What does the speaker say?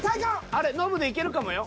あれっノブでいけるかもよ。